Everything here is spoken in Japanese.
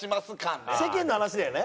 世間の話だよね？